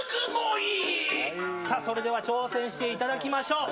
さあ、それでは挑戦していただきましょう。